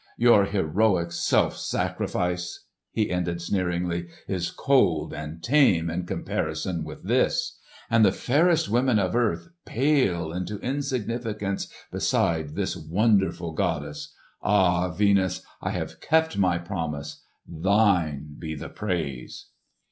"Your heroic self sacrifice," he ended sneeringly, "is cold and tame in comparison with this! And the fairest women of earth pale into insignificance beside this wonderful goddess. Ah, Venus! I have kept my promise! Thine be the praise!"